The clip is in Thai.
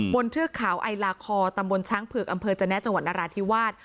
เทือกเขาไอลาคอตำบลช้างเผือกอำเภอจนะจังหวัดนราธิวาส